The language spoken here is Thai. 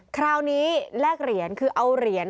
คราวนี้แลกเหรียญ